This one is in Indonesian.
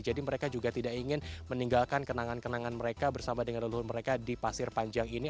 jadi mereka juga tidak ingin meninggalkan kenangan kenangan mereka bersama dengan leluhur mereka di pasir panjang ini